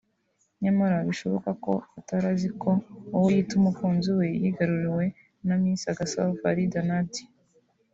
nyamara bishoboka ko atari azi ko uwo yita umukunzi we yigaruriwe na Miss Agasaro Farid Nadia